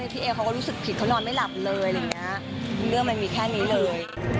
พี่เอก็ก็รู้สึกผิดเขานอนไม่หลับเลยเรื่องมันมีแค่นี้เลย